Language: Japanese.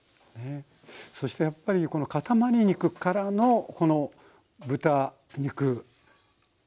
そしてやっぱりこのかたまり肉からのこの豚肉バラ肉ねえ。